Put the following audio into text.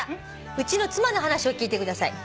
「うちの妻の話を聞いてください」